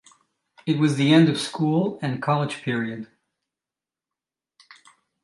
It was the end of school and college period.